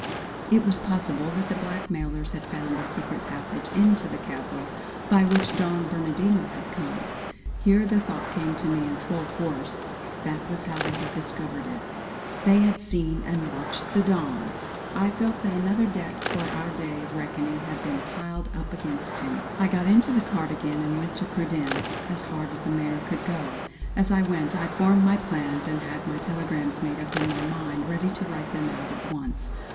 It was possible that the blackmailers had found the secret passage into the Castle by which Don Bernardino had come. Here the thought came to me in full force; that was how they had discovered it. They had seen and watched the Don!... I felt that another debt for our day of reckoning had been piled up against him. I got in the cart again and went to Cruden as hard as the mare could go. As I went, I formed my plans, and had my telegrams made up in my mind ready to write them out at once.